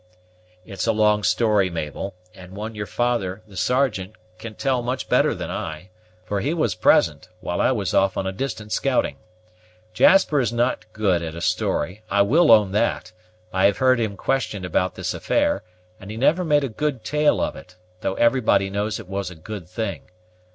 "It is a long story, Mabel, and one your father, the Sergeant, can tell much better than I; for he was present, while I was off on a distant scouting. Jasper is not good at a story, I will own that; I have heard him questioned about this affair, and he never made a good tale of it, although every body knows it was a good thing.